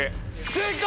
正解！